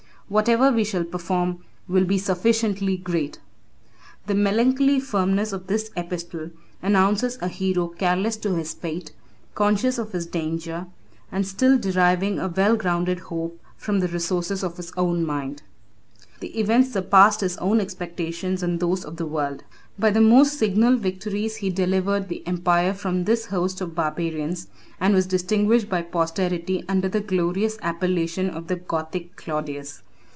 Whatever we shall perform will be sufficiently great." 12 The melancholy firmness of this epistle announces a hero careless of his fate, conscious of his danger, but still deriving a well grounded hope from the resources of his own mind. 12 (return) [ Trebell. Pollio in Hist. August. p. 204.] The event surpassed his own expectations and those of the world. By the most signal victories he delivered the empire from this host of barbarians, and was distinguished by posterity under the glorious appellation of the Gothic Claudius.